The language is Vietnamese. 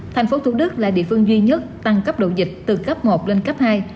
thành phố thủ đức là địa phương duy nhất tăng cấp độ dịch từ cấp một lên cấp hai